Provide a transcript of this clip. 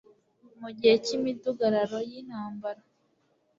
Mu gihe cy'imidugararo y'intambara,